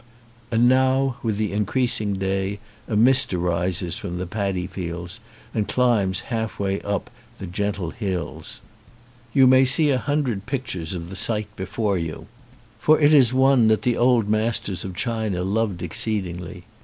And now with the increasing day a mist arises from the padi fields and climbs half way up the gentle hills. You may see a hundred pictures of the sight before you, for it is one that the old 71 ON A CHINESE SCREEN masters of China loved exceedingly.